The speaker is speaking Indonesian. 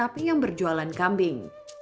kambing juga diperjualan kambing